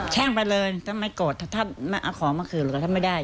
่งไปเลยถ้าไม่โกรธถ้าเอาของมาคืนเราก็ทำไม่ได้